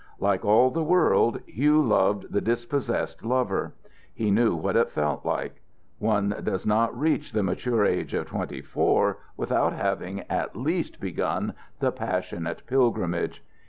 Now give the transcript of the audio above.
Like all the world, Hugh loved the dispossessed lover. He knew what it felt like. One does not reach the mature age of twenty four without having at least begun the passionate pilgrimage.